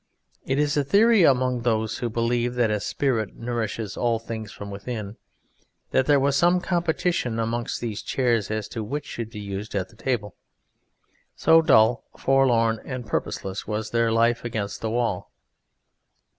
It is a theory among those who believe that a spirit nourishes all things from within, that there was some competition amongst these chairs as to which should be used at table, so dull, forlorn and purposeless was their life against the wall.